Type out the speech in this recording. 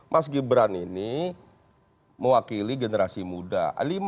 mas gibran ini mewakili generasi muda